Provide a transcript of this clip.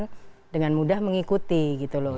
nah kita akan dengan mudah mengikuti gitu loh